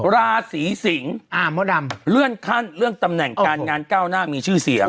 ราศีสิงศ์เลื่อนขั้นเลื่อนตำแหน่งการงานก้าวหน้ามีชื่อเสียง